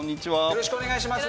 よろしくお願いします。